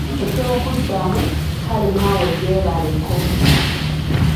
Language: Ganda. Eky'okuddamu “kale naawe gyebaleko”.